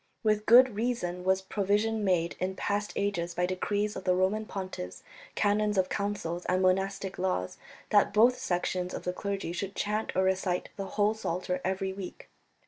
With good reason was provision made in past ages by decrees of the Roman pontiffs, canons of councils, and monastic laws that both sections of the clergy should chant or recite the whole Psalter every week."